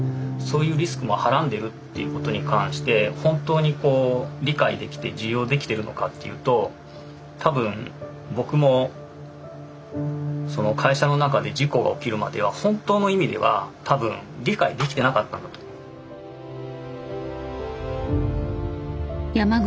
そういうリスクもはらんでるっていうことに関して本当にこう理解できて受容できてるのかっていうと多分僕もその会社の中で事故が起きるまでは本当の意味では多分理解できてなかったんだと思う。